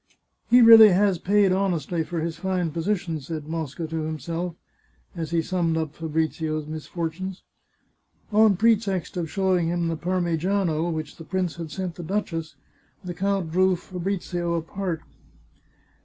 " He really has paid honestly for his fine position," said Mosca to himself, as he summed up Fa brizio's misfortunes. On pretext of showing him the Parmegiano, which the prince had sent the duchess, the count drew Fabrizio apart.